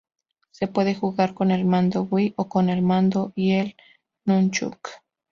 Se puede jugar con el mando Wii o con el mando y el Nunchuk.